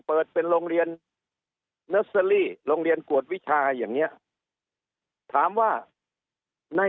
เปิดเป็นโรงเรียนเนอร์เซอรี่โรงเรียนกวดวิชาอย่างเงี้ยถามว่าใน